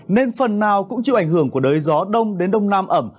nên phần nào cũng chịu ảnh hưởng của đới gió đông đến đông nam ẩm